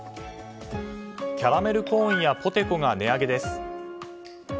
キャラメルコーンやポテコが値上げです。